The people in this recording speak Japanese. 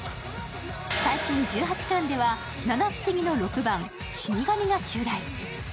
最新１８巻では七不思議の６番、死神が襲来。